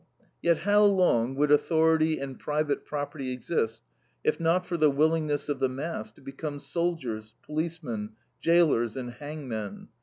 Yet how long would authority and private property exist, if not for the willingness of the mass to become soldiers, policemen, jailers, and hangmen.